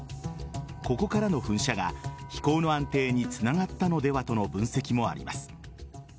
ここからの噴射が飛行の安定につながったのではとの分析もあります。